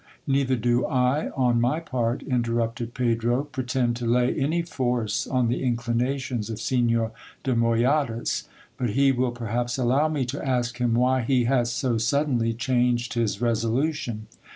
Neither do I, on my part, interrupted Pedro, pretend to lay any force on the inclinations of Signor de Moyadas ; but he will perhaps allow me to ask him why he has so suddenly changed his resolution.